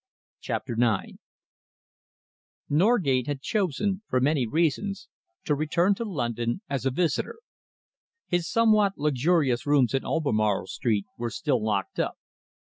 CHAPTER IX Norgate had chosen, for many reasons, to return to London as a visitor. His somewhat luxurious rooms in Albemarle Street were still locked up.